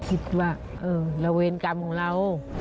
คิดว่าเออระเวนกรรมของเรา